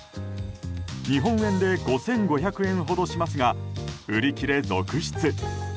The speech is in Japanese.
日本円で５５００円ほどしますが売り切れ続出。